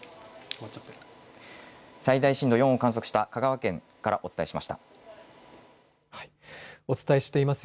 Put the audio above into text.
最大震度４を観測した香川県からお伝えしました。